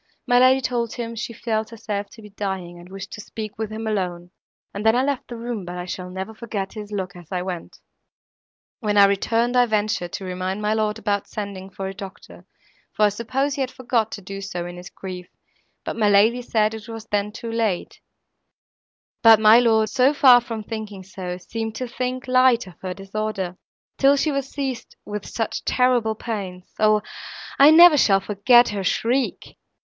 My lady told him she felt herself to be dying, and wished to speak with him alone, and then I left the room, but I shall never forget his look as I went." "When I returned, I ventured to remind my lord about sending for a doctor, for I supposed he had forgot to do so, in his grief; but my lady said it was then too late; but my lord, so far from thinking so, seemed to think light of her disorder—till she was seized with such terrible pains! O, I never shall forget her shriek!